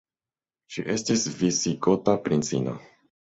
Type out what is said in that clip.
Ŝi estis visigota princino.